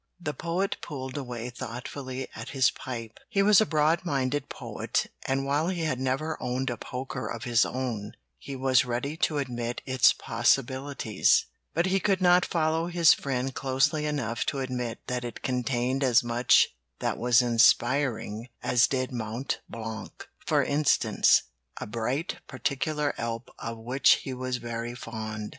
The Poet pulled away thoughtfully at his pipe. He was a broad minded poet, and while he had never owned a poker of his own, he was ready to admit its possibilities; but he could not follow his friend closely enough to admit that it contained as much that was inspiring as did Mont Blanc, for instance, a bright particular Alp of which he was very fond.